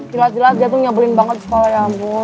jelas jelas jatuh nyabelin banget di sekolah ya ibu